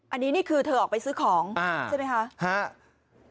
อันนี้นี่คือเธอออกไปซื้อของใช่ไหมคะ